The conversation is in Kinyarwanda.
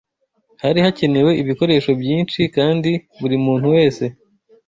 Hari hakenewe ibikoresho byinshi kandi buri muntu wese